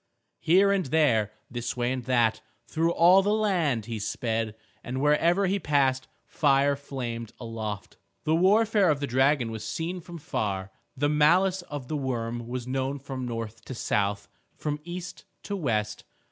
Here and there, this way and that, through all the land he sped, and wherever he passed fire flamed aloft. The warfare of the dragon was seen from far. The malice of the worm was known from north to south, from east to west.